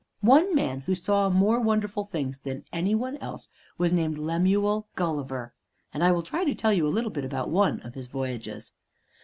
One man, who saw more wonderful things than any one else, was named Lemuel Gulliver, and I will try to tell you a little about one of his voyages.